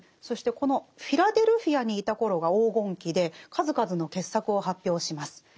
そしてこのフィラデルフィアにいた頃が黄金期で数々の傑作を発表します。